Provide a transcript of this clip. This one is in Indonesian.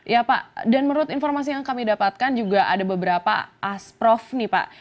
ya pak dan menurut informasi yang kami dapatkan juga ada beberapa asprof nih pak